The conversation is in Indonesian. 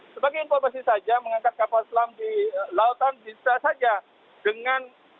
sebagai informasi saja mengangkat kapal selam di lautan bisa saja dengan